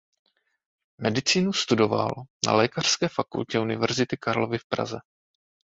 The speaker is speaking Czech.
Medicínu studoval na lékařské fakultě Univerzity Karlovy v Praze.